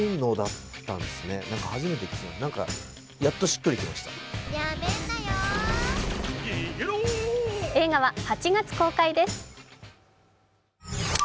しかし映画は８月公開です。